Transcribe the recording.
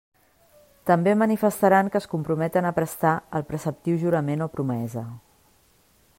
També manifestaran que es comprometen a prestar el preceptiu jurament o promesa.